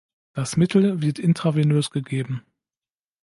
Das Mittel wird intravenös gegeben.